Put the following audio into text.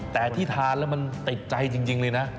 แต่ที่ทานแล้วมันติดใจจริงเลยนะ